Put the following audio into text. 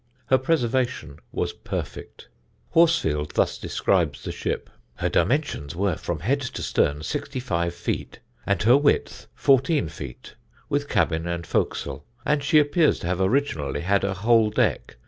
Her preservation was perfect. Horsfield thus describes the ship: "Her dimensions were, from head to stern, 65 feet, and her width 14 feet, with cabin and forecastle; and she appears to have originally had a whole deck.